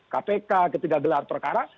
kpk ketika gelar perkara